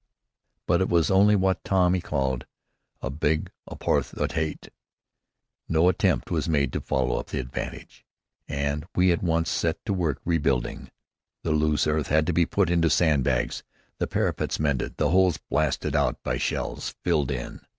But it was only what Tommy called "a big 'ap'orth o' 'ate." No attempt was made to follow up the advantage, and we at once set to work rebuilding. The loose earth had to be put into sandbags, the parapets mended, the holes, blasted out by shells, filled in.